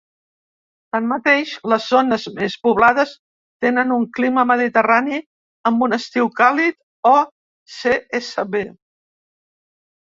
Tanmateix, les zones més poblades tenen un clima mediterrani amb un estiu càlid o "Csb".